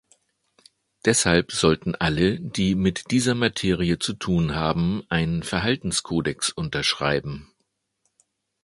Deshalb sollten alle, die mit dieser Materie zu tun haben, einen Verhaltenskodex unterschreiben.